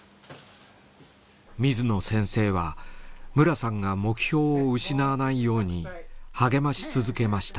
水野先生はムラさんが目標を失わないように励まし続けました。